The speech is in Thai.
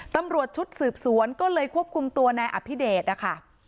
ตำรวจชุดสืบสวนก็เลยควบคุมตัวนายอภิเดชนะคะ